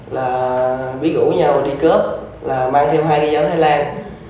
là bí gũ nhau đi cướp là mang theo hai cái giáo thái lan